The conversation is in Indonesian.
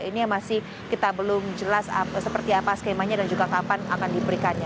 ini yang masih kita belum jelas seperti apa skemanya dan juga kapan akan diberikannya